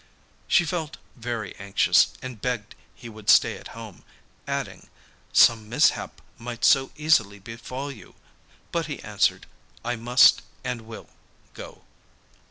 She felt very anxious, and begged he would stay at home, adding: 'Some mishap might so easily befall you,' but he answered, 'I must and will go.